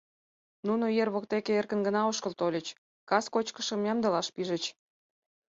Нуно ер воктеке эркын гына ошкыл тольыч, кас кочкышым ямдылаш пижыч.